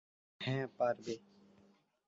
হ্যাঁ, পারবে।